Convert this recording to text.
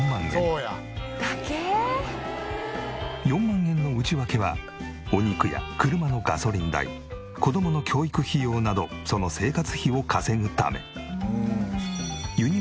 ４万円の内訳はお肉や車のガソリン代子供の教育費用などその生活費を稼ぐため。